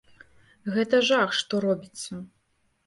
Гэта жах, што робіцца.